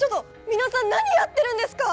皆さん何やってるんですか！？